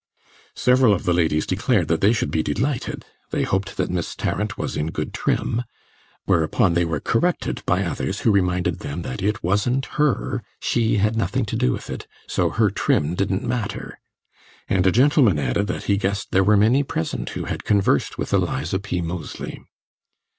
Several of the ladies declared that they should be delighted they hoped that Miss Tarrant was in good trim; whereupon they were corrected by others, who reminded them that it wasn't her she had nothing to do with it so her trim didn't matter; and a gentleman added that he guessed there were many present who had conversed with Eliza P. Moseley.